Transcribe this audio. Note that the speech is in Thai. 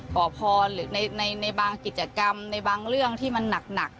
ขอพรหรือในบางกิจกรรมในบางเรื่องที่มันหนัก